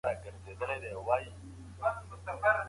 دولتونه لکه انسانان خپل ژوند لري.